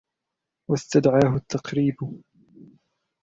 وَاسْتَدْعَاهُ التَّقْرِيبُ